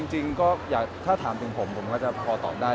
จริงก็ถ้าถามถึงผมก็จะพอตอบได้